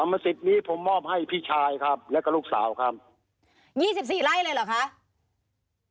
กรรมสิทธิ์นี้ผมมอบให้พี่ชายครับแล้วก็ลูกสาวครับ